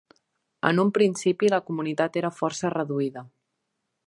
En un principi, la comunitat era força reduïda.